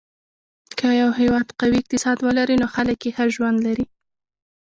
که یو هېواد قوي اقتصاد ولري، نو خلک یې ښه ژوند لري.